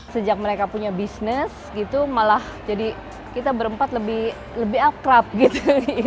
sejak mereka punya bisnis gitu malah jadi kita berempat lebih akrab gitu